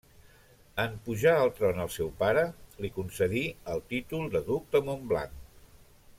En pujar al tron el seu pare, li concedí el títol de Duc de Montblanc.